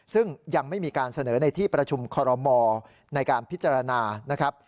ซึ่งยังไม่มีการเสนอในที่ประชุมคอรมอในการพิจารณานะครับ